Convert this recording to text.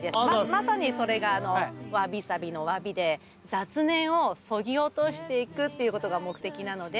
まさにそれが侘び寂びの侘びで雑念をそぎ落としていくっていうことが目的なので。